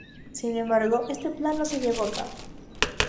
Sin embargo, este plan no se llevó a cabo.